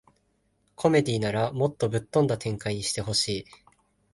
コメディならもっとぶっ飛んだ展開にしてほしい